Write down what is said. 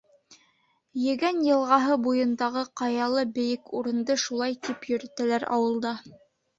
Егән йылғаһы буйындағы ҡаялы бейек урынды шулай тип йөрөтәләр ауылда.